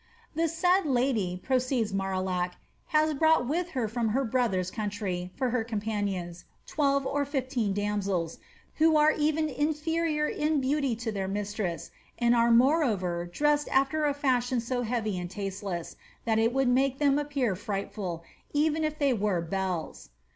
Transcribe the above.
^ The said lady," proceeds Marillac, ^ has brought with her from her brother's country, for her companions, twelve or fifteen damsels, who are even inferior in beauty to their mistress, and are moreover dressed after a fashion so heavy and tasteless, that it would make them af^ieir frightftil, even if they were belles?